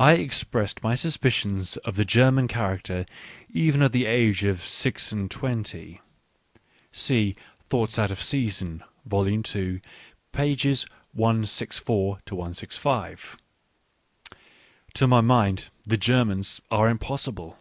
I expressed my suspicions of the German character even at the age of six and twenty (see Thoughts out of Season, vol. ii. pp. 164, 165), — to my mind the Germans are impossible.